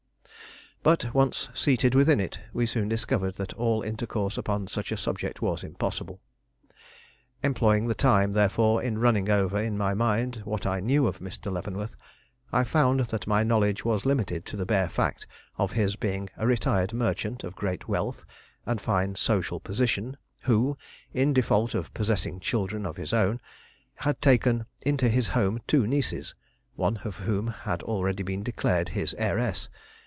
But, once seated within it, we soon discovered that all intercourse upon such a subject was impossible. Employing the time, therefore, in running over in my mind what I knew of Mr. Leavenworth, I found that my knowledge was limited to the bare fact of his being a retired merchant of great wealth and fine social position who, in default of possessing children of his own, had taken into his home two nieces, one of whom had already been declared his heiress.